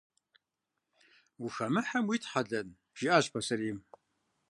«Ухэмыхьэм уитхьэлэн?» – жиӏащ пасарейм.